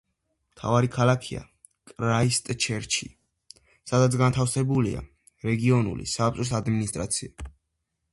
მთავარი ქალაქია კრაისტჩერჩი, სადაც განთავსებულია რეგიონული საბჭოს ადმინისტრაცია.